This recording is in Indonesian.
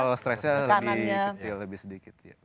level stressnya lebih kecil lebih sedikit